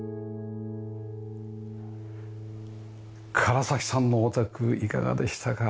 唐さんのお宅いかがでしたか？